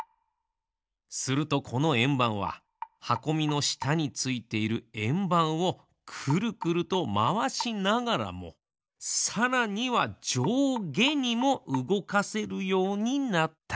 するとこのえんばんははこみのしたについているえんばんをくるくるとまわしながらもさらにはじょうげにもうごかせるようになったのです。